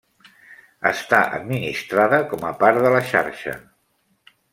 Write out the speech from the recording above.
Està administrada com a part de la xarxa.